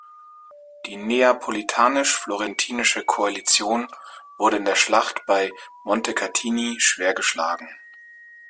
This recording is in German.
Die neapolitanisch-florentinische Koalition wurde in der Schlacht bei Montecatini schwer geschlagen.